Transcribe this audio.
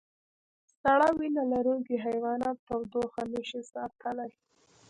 سړه وینه لرونکي حیوانات تودوخه نشي ساتلی